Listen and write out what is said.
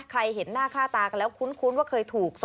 เห็นหน้าค่าตากันแล้วคุ้นว่าเคยถูก